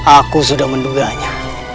aku sudah menduganya